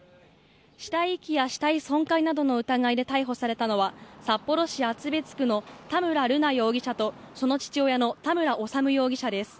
死体遺棄や死体損壊などの疑いで逮捕されたのは札幌市厚別区の田村瑠奈容疑者とその父親の田村修容疑者です。